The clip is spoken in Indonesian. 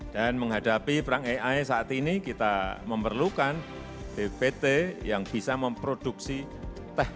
dan menghadapi perang ai saat ini kita memerlukan bvt yang bisa memproduksi teknologi